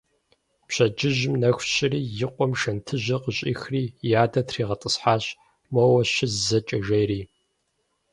Пщэджыжьым нэху щыри и къуэм шэнтыжьыр къыщӀихри и адэр тригъэтӀысхьащ, моуэ щыс зэкӀэ жери.